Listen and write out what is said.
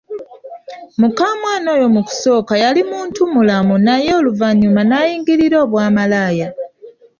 Mukamwana oyo mu kusooka yali muntu mulamu naye oluvanyuma nayingirira obwamalaaya.